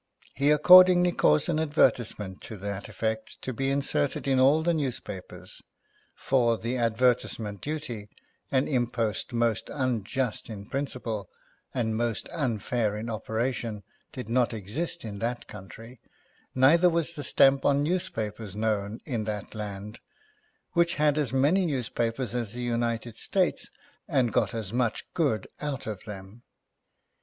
He accordingly caused an advertisement to that effect to be inserted in all the newspapers ; for, the advertisement duty, an impost most unjust in principle and most unfair in ope ration, did not exist in that country ; neither was the stamp on newspapers known in that land — which had as many newspapers as the United States, and got as much good out of them.